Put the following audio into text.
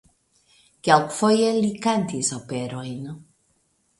Kelkfoje li kantis operojn.